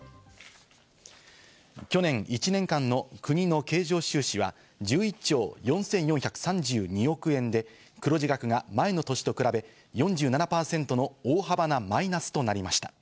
去年一年間の国の経常収支は、１１兆４４３２億円で、黒字額が前の年と比べ、４７％の大幅なマイナスとなりました。